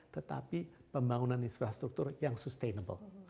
tetapi pembangunan infrastruktur yang sustainable